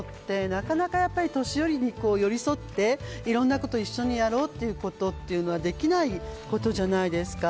なかなか、やっぱり年寄りに寄り添っていろんなことを一緒にやろうということはできないことじゃないですか。